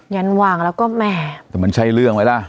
ยันวางแล้วก็แหมแต่มันใช่เรื่องไหมล่ะ